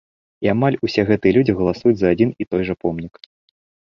І амаль усе гэтыя людзі галасуюць за адзін і той жа помнік!